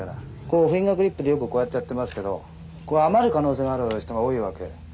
フィンガーグリップでよくこうやってやってますけど余る可能性がある人が多いわけ。